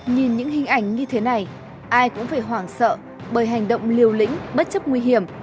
nhìn những hình ảnh như thế này ai cũng phải hoảng sợ bởi hành động liều lĩnh bất chấp nguy hiểm